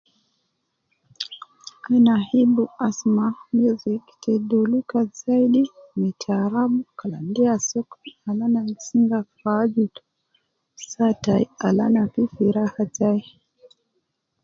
Ina hibu asuma music te doluka zaidi me tarabu kalam de ya sokol al ana singa fi aju saa tai al ana fi fi raha